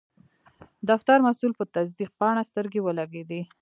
د فتر مسول په تصدیق پاڼه سترګې ولګیدې.